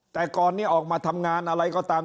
แต่ก่อนนี้ออกมาทำงานอะไรก็ตาม